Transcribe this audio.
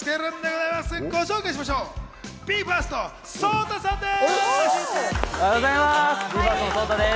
ＢＥ：ＦＩＲＳＴのＳＯＴＡです。